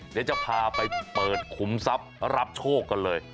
เดี๋ยวจะพาไปเปิดขุมทรัพย์รับโชคกันเลย